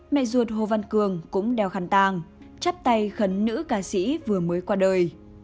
mẹ ruột hồ văn cường cũng đeo khăn tàng chắp tay khấn nữ ca sĩ vừa mới qua đời